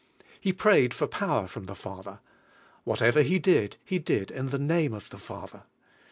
He prayed for power from the Father. Whatever He did, He did in the name of the Father.